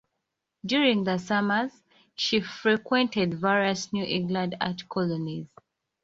During the summers she frequented various New England art colonies.